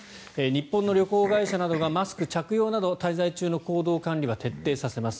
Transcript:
日本の旅行会社などがマスク着用など滞在中の行動管理は徹底させます。